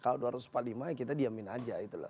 kalau dua ratus empat puluh lima kita diamin aja